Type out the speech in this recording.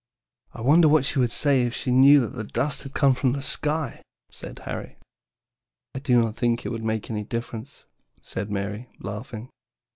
"I wonder what she would say if she knew that the dust had come from the sky," said Harry. "I do not think it would make any difference," said Mary, laughing.